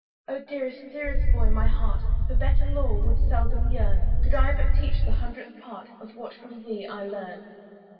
Oh dearest, dearest boy! my heart For better lore would seldom yearn, Could I but teach the hundredth part Of what from thee I learn.